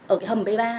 ở cái hầm b ba